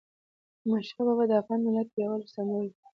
احمدشاه بابا د افغان ملت د یووالي سمبول و.